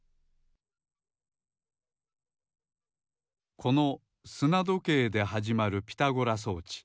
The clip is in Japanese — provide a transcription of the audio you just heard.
このすなどけいではじまるピタゴラ装置